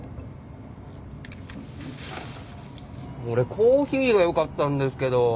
俺コーヒーがよかったんですけど。